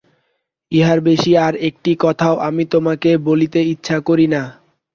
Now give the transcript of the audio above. ইহার বেশি আর একটি কথাও আমি তোমাকে বলিতে ইচ্ছা করি না।